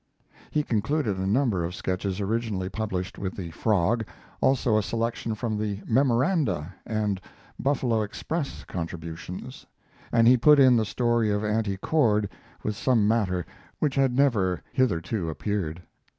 He included a number of sketches originally published with the Frog, also a selection from the "Memoranda" and Buffalo Express contributions, and he put in the story of Auntie Cord, with some matter which had never hitherto appeared.